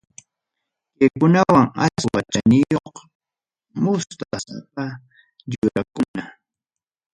Kaykunam aswan chaniyuq mustasapa yurakuna.